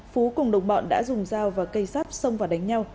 phú cùng đồng bọn đã dùng dao và cây sắt xông và đánh nhau